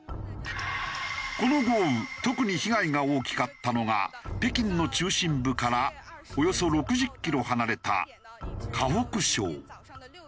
この豪雨特に被害が大きかったのが北京の中心部からおよそ６０キロ離れた河北省。